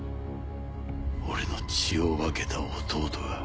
俺の血を分けた弟が。